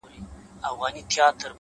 اول بخښنه درڅه غواړمه زه،